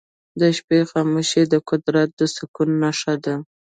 د شپې خاموشي د قدرت د سکون نښه ده.